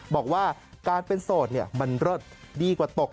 บอกว่าการเป็นโสดมันเลิศดีกว่าตก